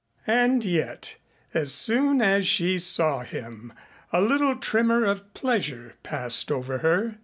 And yet as soon as she saw him a little tremor of pleasure passed over her.